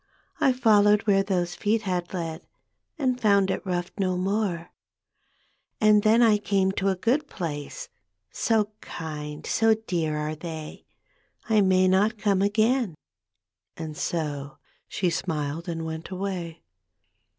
I followed where those feet had led, And found it rough no more. " And then I came to a good place, So kind, so dear are they I may not come again," and so She smiled and went away.